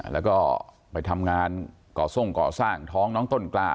แล้วก็ไปทำงานเกาะทร่องเกาะสร้างท้อง